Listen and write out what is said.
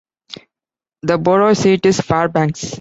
The borough seat is Fairbanks.